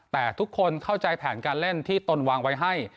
แต่ทุกคนเข้าใจแผนการเล่นที่ตนวางไว้ให้